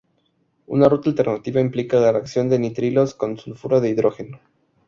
Una ruta alternativa implica la reacción de nitrilos con sulfuro de hidrógeno.